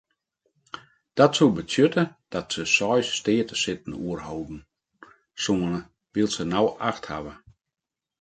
Dat soe betsjutte dat se seis steatesitten oerhâlde soenen wylst se no acht hawwe.